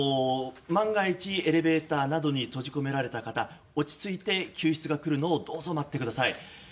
万が一、エレベーターなどに閉じ込められた方落ち着いて救出が来るのをどうぞ待ってください。